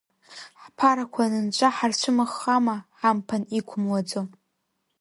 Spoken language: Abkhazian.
Ҳԥарақәа анынҵәа ҳарцәымыӷхама, ҳамԥан иқәымлаӡо?